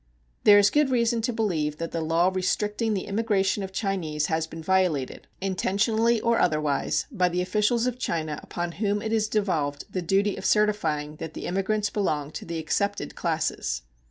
There is good reason to believe that the law restricting the immigration of Chinese has been violated, intentionally or otherwise, by the officials of China upon whom is devolved the duty of certifying that the immigrants belong to the excepted classes.